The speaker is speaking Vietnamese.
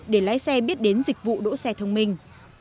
để lái xe biết đến dịch vụ đỗ xe thông minh